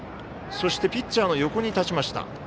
そしてピッチャーの横に立ちました。